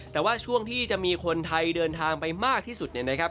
แต่ว่าช่วงที่จะมีคนไทยเดินทางไปมากที่สุดเนี่ยนะครับ